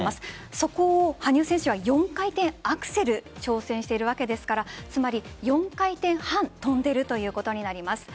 そこを羽生選手は４回転アクセル挑戦しているわけですから４回転半跳んでいるということになります。